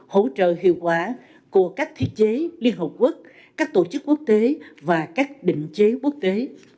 hỗ trợ hiệu quả của các thiết chế liên hợp quốc các tổ chức quốc tế và các định chế quốc tế